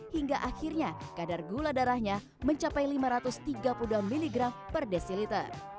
hingga akhirnya kadar gula darahnya mencapai lima ratus tiga puluh dua mg per desiliter